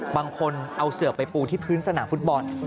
บางคนเอาเสือไปปูที่พื้นสนามฟุตบอล